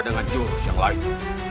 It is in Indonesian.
dengan jurus yang lain